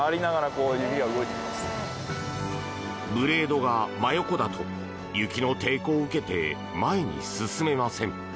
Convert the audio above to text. ブレードが真横だと雪の抵抗を受けて前に進めません。